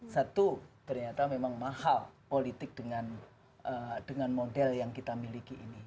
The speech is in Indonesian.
satu ternyata memang mahal politik dengan model yang kita miliki ini